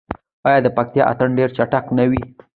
آیا د پکتیا اتن ډیر چټک نه وي؟